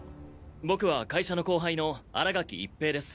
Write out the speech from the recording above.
僕は会社の後輩の荒垣一平です。